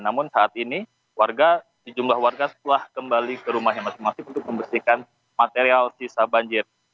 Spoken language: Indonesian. namun saat ini warga sejumlah warga telah kembali ke rumah yang masih masih untuk membersihkan material sisa banjir